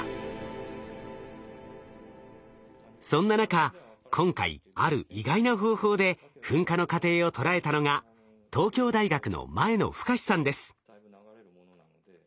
そんな中今回ある意外な方法で噴火の過程を捉えたのが東京大学の前野深さんです。